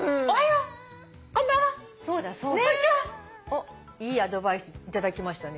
おっいいアドバイスいただきましたね。